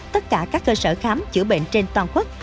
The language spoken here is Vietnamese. tất cả các cơ sở khám chữa bệnh trên toàn quốc